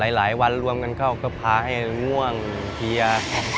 หลายวันรวมกันเข้าก็พาให้ง่วงเพีย